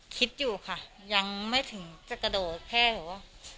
คิดอยู่ค่ะยังไม่ถึงจะกระโดดแพร่หัว